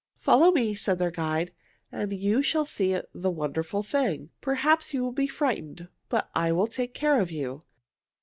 "Follow me," said their guide, "and you shall see the wonderful thing. Perhaps you will be frightened, but I will take care of you."